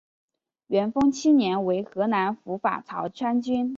元丰七年为河南府法曹参军。